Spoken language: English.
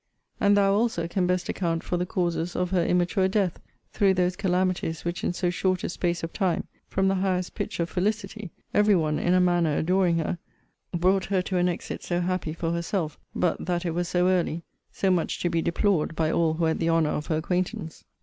And thou also can best account for the causes of her immature death, through those calamities which in so short a space of time, from the highest pitch of felicity, (every one in a manner adoring her,) brought her to an exit so happy for herself, but, that it was so early, so much to be deplored by all who had the honour of her acquaintance.